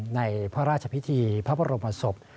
ในพระราชพิธีพระบรมศพ